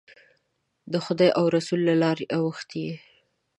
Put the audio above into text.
د خدای او رسول له لارې اوښتی یې.